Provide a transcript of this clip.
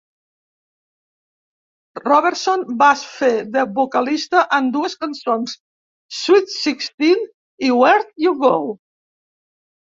Roberson va fer de vocalista en dues cançons: ""Sweet Sixteen" i "Where'd You Go".